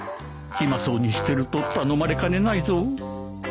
暇そうにしてると頼まれかねないぞ